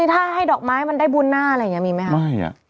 ถ้าให้ดอกไม้มันได้บุญหน้าอะไรอย่างนี้มีไหมคะไม่อ่ะ